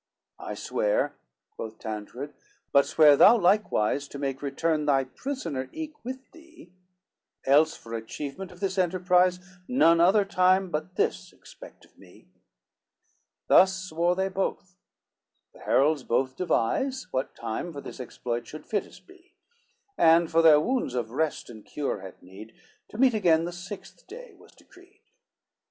LIII "I swear," quoth Tancred, "but swear thou likewise To make return thy prisoner eke with thee; Else for achievement of this enterprise, None other time but this expect of me;" Thus swore they both; the heralds both devise, What time for this exploit should fittest be: And for their wounds of rest and cure had need, To meet again the sixth day was decreed.